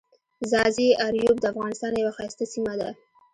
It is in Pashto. ځاځي اریوب دافغانستان یوه ښایسته سیمه ده.